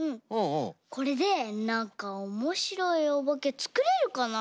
これでなんかおもしろいおばけつくれるかな？